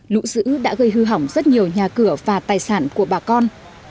lũ dữ đã gây hư hỏng rất nhiều nhà cửa và tài sản của bà con